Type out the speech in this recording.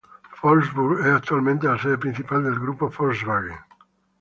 Wolfsburg es actualmente la sede principal del Grupo Volkswagen.